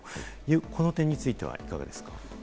この点についてはいかがですか？